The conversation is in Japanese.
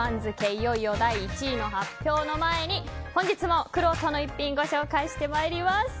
いよいよ第１位の発表の前に本日もくろうとの逸品ご紹介してまいります。